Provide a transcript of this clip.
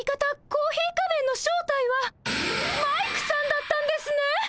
コーヒー仮面の正体はマイクさんだったんですね！